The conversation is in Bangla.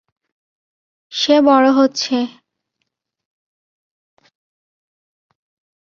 সে বড় হচ্ছে।